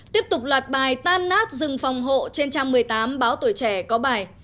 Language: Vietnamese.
tiếp tục loạt bài tan nát rừng phòng hộ trên trang một mươi tám báo tuổi trẻ có bài